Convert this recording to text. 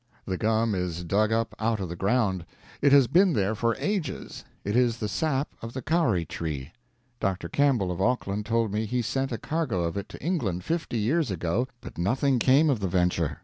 The gum is dug up out of the ground; it has been there for ages. It is the sap of the Kauri tree. Dr. Campbell of Auckland told me he sent a cargo of it to England fifty years ago, but nothing came of the venture.